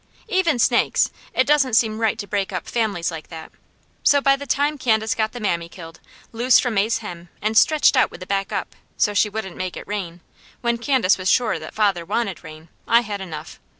Even snakes, it doesn't seem right to break up families like that; so by the time Candace got the mammy killed, loose from May's hem, and stretched out with the back up, so she wouldn't make it rain, when Candace wasn't sure that father wanted rain, I had enough.